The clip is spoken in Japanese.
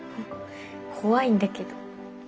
怖いんだけど。